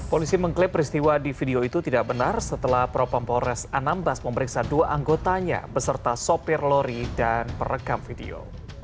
polisi mengklaim peristiwa di video itu tidak benar setelah propam polres anambas memeriksa dua anggotanya beserta sopir lori dan perekam video